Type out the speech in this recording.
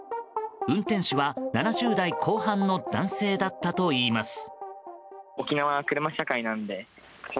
運転手は７０代後半の男性だったといいます。